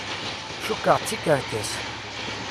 Cukkeɣ d tikerkas.